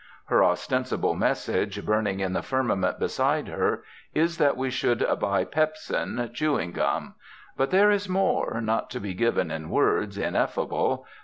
Her ostensible message, burning in the firmament beside her, is that we should buy pepsin chewing gum. But there is more, not to be given in words, ineffable.